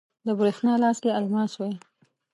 د بریښنا لاس کې الماس وی